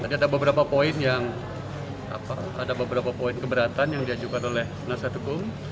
tadi ada beberapa poin yang ada beberapa poin keberatan yang diajukan oleh penasihat hukum